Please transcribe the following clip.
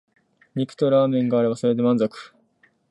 肉とラーメンがあればそれで満足